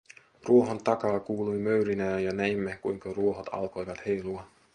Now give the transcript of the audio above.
Ruohon takaa kuului möyrinää ja näimme, kuinka ruohot alkoivat heilua.